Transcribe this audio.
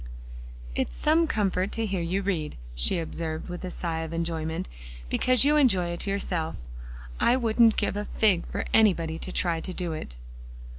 "It's some comfort to hear you read," she observed with a sigh of enjoyment, "because you enjoy it yourself. I wouldn't give a fig for anybody to try to do it."